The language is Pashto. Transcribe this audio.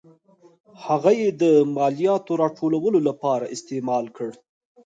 هغه یې د مالیاتو راټولولو لپاره استعمال کړ.